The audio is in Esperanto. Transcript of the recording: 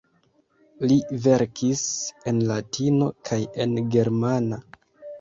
Li verkis en latino kaj en germana.